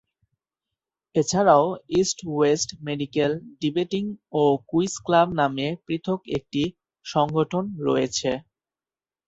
এছাড়াও "East West medical debating ও quiz club" নামে পৃথক একটি সংগঠন রয়েছে।